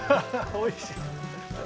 おいしい。